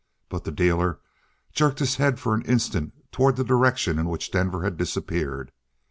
But the dealer jerked his head for an instant toward the direction in which Denver had disappeared.